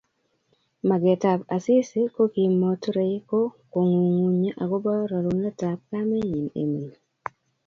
Magetab Asisi kokimoturei ko ngungunye agobo rerunetab kamenyi Emali